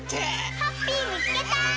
ハッピーみつけた！